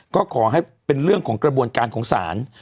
ก็ขอให้เป็นเรื่องของกระบวนการของศาล